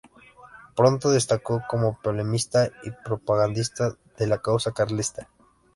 Pronto destacó como polemista y propagandista de la causa carlista.